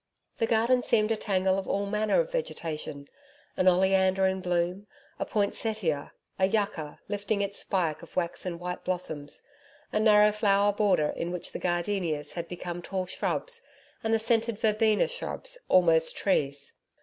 The garden seemed a tangle of all manner of vegetation an oleander in bloom, a poinsettia, a yucca, lifting its spike of waxen white blossoms, a narrow flower border in which the gardenias had become tall shrubs and the scented verbena shrubs almost trees.